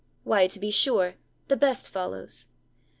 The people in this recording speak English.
Why, to be sure, the best follows.